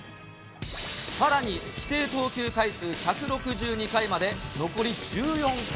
さらに規定投球回数１６２回まで残り１４回。